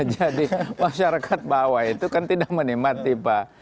jadi masyarakat bawah itu kan tidak menikmati pak